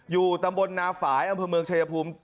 อยู่ตำบลนาฝ่ายอำเภอเมืองชายภูมิ